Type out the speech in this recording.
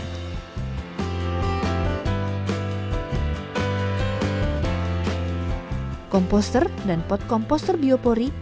kampung proklin memiliki komposter dan pot komposter biopuri